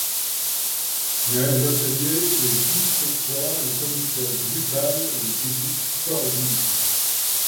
Mais, l'hôtelier est discourtois, le commissaire brutal, le public sordide...